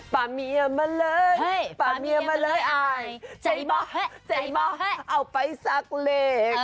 ปัญหาเมียมาเลยปัญหาเมียมาเลยไอใจบอฮใจบอฮเอาไปซักเหล็ก